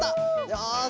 よし！